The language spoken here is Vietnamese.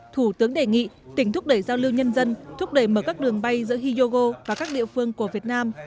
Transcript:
thủ tướng đề nghị tỉnh thúc đẩy giao lưu nhân dân thúc đẩy mở các đường bay giữa hyogo và các địa phương của việt nam